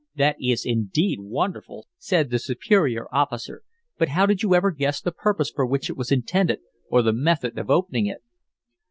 "That is indeed wonderful," said the superior officer. "But how did you ever guess the purpose for which it was intended or the method of opening it?"